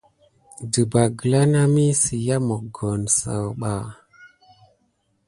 Ɗəɓɑ gla nami siya mokoni sakuba.